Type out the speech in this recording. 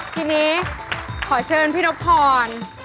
ทีนี้ขอเชิญพี่นบพร